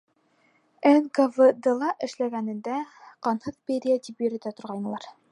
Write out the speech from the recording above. НКВД-ла эшләгәнендә «ҡанһыҙ Берия» тип йөрөтә торғайнылар.